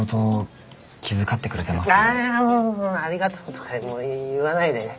いやいやもうありがとうとか言わないでね。